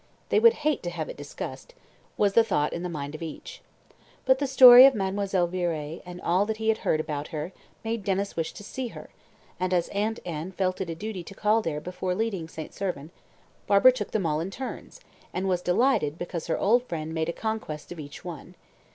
"They would hate to have it discussed," was the thought in the mind of each. But the story of Mademoiselle Viré, and all that he had heard about her, made Denys wish to see her, and as Aunt Anne felt it a duty to call there before leaving St. Servan, Barbara took them all in turns, and was delighted because her old friend made a conquest of each one.